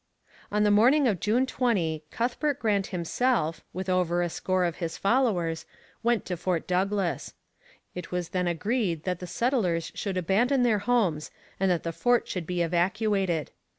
On the morning of June 20 Cuthbert Grant himself, with over a score of his followers, went to Fort Douglas. It was then agreed that the settlers should abandon their homes and that the fort should be evacuated.